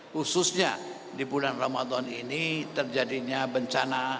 khususnya di bulan ramadan ini terjadinya bencana